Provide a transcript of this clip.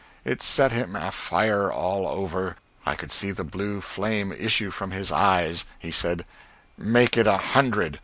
It set him afire all over! I could see the blue flame issue from his eyes. He said, "Make it a hundred!